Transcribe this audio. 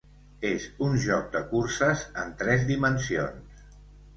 És un joc de curses en tres dimensions.